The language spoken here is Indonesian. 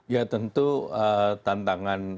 ya tentu tantangan